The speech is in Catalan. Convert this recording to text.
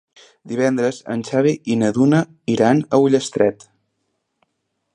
Divendres en Xavi i na Duna iran a Ullastret.